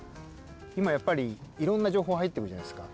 今やっぱりいろんな情報が入ってくるじゃないですか。